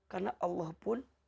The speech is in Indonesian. karena allah pun